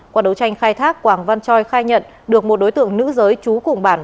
qua đấu tranh khai thác quảng văn choi khai nhận được một đối tượng nữ giới trú cùng bản